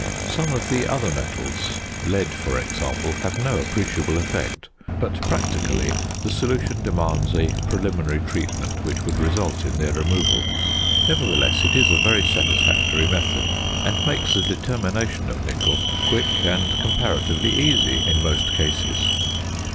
Some of the other metals lead for example have no appreciable effect; but practically the solution demands a preliminary treatment which would result in their removal. Nevertheless it is a very satisfactory method and makes the determination of nickel quick and comparatively easy in most cases.